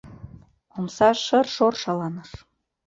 Омса шыр-шор шаланыш.